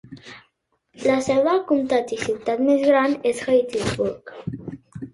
La seu del comtat i ciutat més gran és Hattiesburg.